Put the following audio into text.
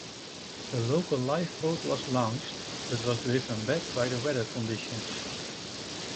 The local lifeboat was launched, but was driven back by the weather conditions.